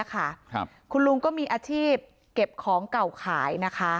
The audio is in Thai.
คุณลุงก็มีอาชีพเก็บของเก่าขายนะคะ